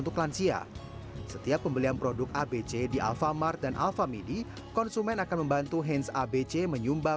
untuk usaha sendiri alfamar dan alfamini menjamin kesiapan stok kita